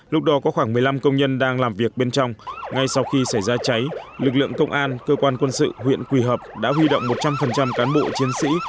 lúc đó có khoảng một mươi năm công nhân đang làm việc bên trong ngay sau khi xảy ra cháy lực lượng công an cơ quan quân sự huyện quỳ hợp đã huy động một trăm linh cán bộ chiến sĩ